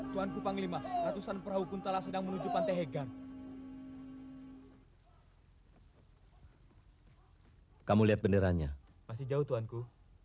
tidak bosan bosan menepis pantai